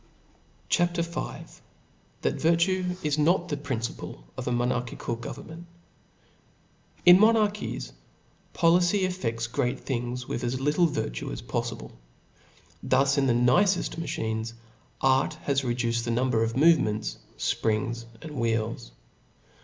CHAP, VL That Virtue is not the Principle of a mdnarchical , Governments TN roonarcbies, policy effcfts gr«at things with '*' as lirde virtue as pofliblc. Thus in the niccft snacbines, art has reduced the number pf move ments, fprings, and wheels.